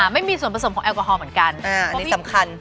ไม่มีส่วนผสมของแอลกอฮอลเหมือนกันอันนี้สำคัญ